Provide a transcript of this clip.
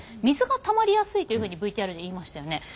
水がたまりやすいというふうにＶＴＲで言いましたよね。